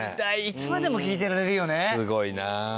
いつまでも聴いてられるよね。